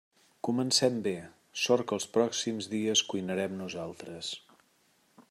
Comencem bé, sort que els pròxims dies cuinarem nosaltres.